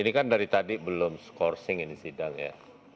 ini kan dari tadi belum skorsing ini sidang ya